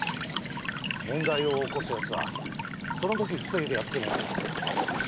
問題を起こす奴はその時防いでやってもいずれ起こす。